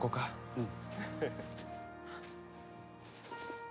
うん。